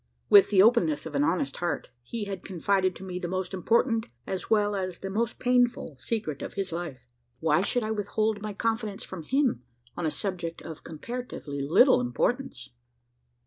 With the openness of an honest heart, had he confided to me the most important, as well as the most painful, secret of his life. Why should I withhold my confidence from him on a subject of comparatively little importance?